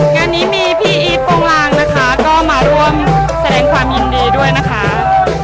งานนี้มีพี่อีทโปรงลางนะคะก็มาร่วมแสดงความยินดีด้วยนะคะ